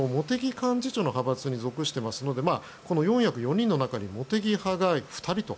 幹事長の派閥に属していますので四役４人の間に茂木派が２人と。